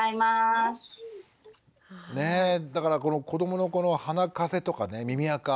ねえだからこの子どものこの鼻風邪とかね耳あか。